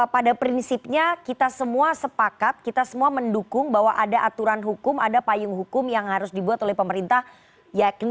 pada prinsipnya kita semua sepakat kita semua mendukung bahwa ada aturan hukum ada payung hukum yang harus dibuat oleh pemerintah